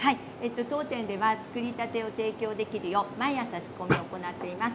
当店では作りたてを提供できるよう毎朝、仕込みを行っています。